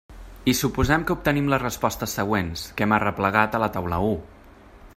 I suposem que obtenim les respostes següents, que hem arreplegat a la taula u.